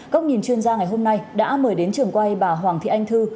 góc nhìn chuyên gia ngày hôm nay đã mời đến trường quay bà hoàng thị anh thư